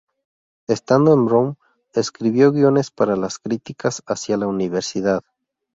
Estando en Brown, escribió guiones para las Críticas hacia la universidad.